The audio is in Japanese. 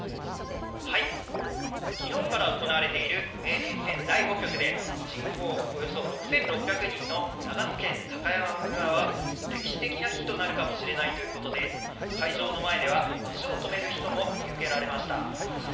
きのうから行われている名人戦第５局で、人口およそ６６００人の長野県高山村は、歴史的な日となるかもしれないということで、会場の前では、足を止める人も見受けられました。